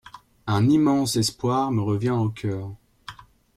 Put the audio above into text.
Un immense espoir me revient au cœur.